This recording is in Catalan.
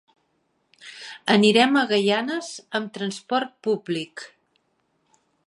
Anirem a Gaianes amb transport públic.